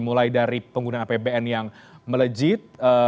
mulai dari penggunaan apbn yang melejit